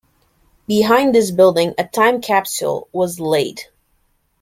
Behind this building a time capsule was laid.